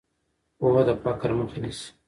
پوهه د فقر مخه نیسي.